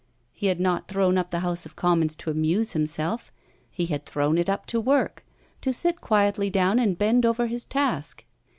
He had not thrown up the House of Commons to amuse himself; he had thrown it up to work, to sit quietly down and bend over his task.